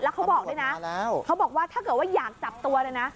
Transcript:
เขาบอกด้วยนะเขาบอกว่าถ้าเกิดว่าอยากจับตัวเลยนะ